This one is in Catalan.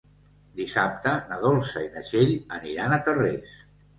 Dissabte na Dolça i na Txell aniran a Tarrés.